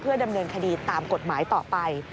ดำเนินคดีตามกฎหมายต่อไป